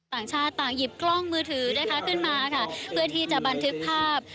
ต่างชาติต่างหยิบกล้องมือถือนะคะขึ้นมาค่ะเพื่อที่จะบันทึกภาพ